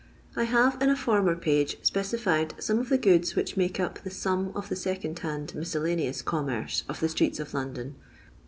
I HATE in a former page sp(>cified some of the goods which make up the sum of the second hand miscellaneous commerce of the streets of London.